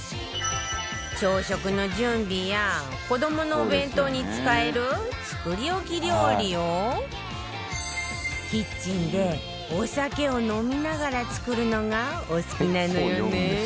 朝食の準備や子どものお弁当に使える作り置き料理をキッチンでお酒を飲みながら作るのがお好きなのよね